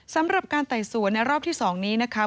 สำหรับการไต่สวนในรอบที่๒นี้นะคะ